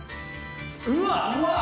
うわっ！